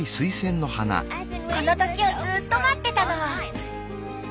この時をずっと待ってたの。